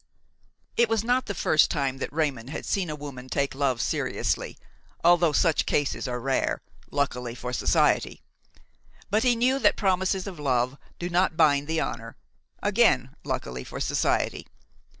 It was not the first time that Raymon had seen a woman take love seriously, although such cases are rare, luckily for society; but he knew that promises of love do not bind the honor, again luckily for society.